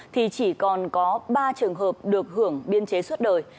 thì chỉ còn có ba trường hợp được hưởng biên chế suốt đời